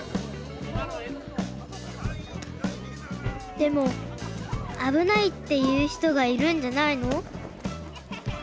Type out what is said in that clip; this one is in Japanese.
でも危ないって言う人がいるんじゃないの？